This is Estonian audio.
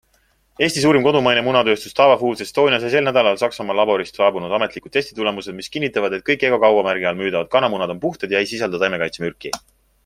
Eesti suurim kodumaine munatööstus DAVA Foods Estonia sai sel nädalal Saksamaa laborist saabunud ametlikud testitulemused, mis kinnitavad, et kõik Eggo-kaubamärgi all müüdavad kanamunad on puhtad ja ei sisalda taimekaitsemürki.